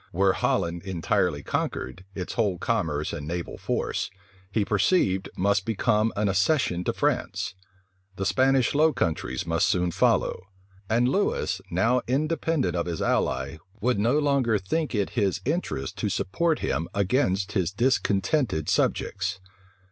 Were Holland entirely conquered, its whole commerce and naval force, he perceived, must become an accession to France; the Spanish Low Countries must soon follow; and Lewis, now independent of his ally, would no longer think it his interest to support him against his discontented subjects.